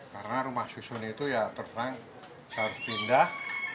karena rumah susun itu ya terperang saya harus pindah